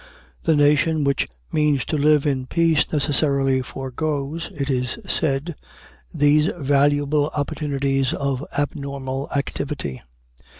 The nation which means to live in peace necessarily foregoes, it is said, these valuable opportunities of abnormal activity.